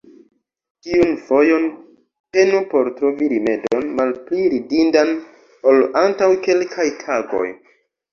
Tiun fojon, penu por trovi rimedon malpli ridindan, ol antaŭ kelkaj tagoj!